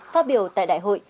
phát biểu tại đại hội